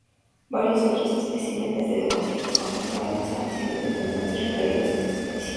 Varios otros especímenes de depósitos contemporáneos han side desde entonces referidos a esta especie.